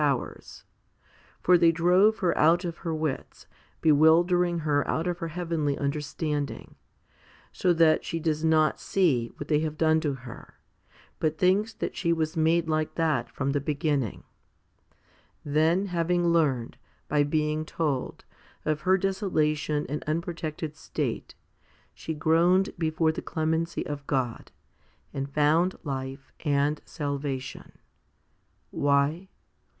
284 FIFTY SPIRITUAL HOMILIES powers ; for they drove her out [of her wits, bewildering her out of her heavenly understanding, so that she does not see what they have done to her, but thinks that she was made like that from the beginning ; then, having learned, by being told, of her desolation and unprotected state, she groaned before the clemency of God, and found life and salvation why?